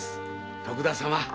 徳田様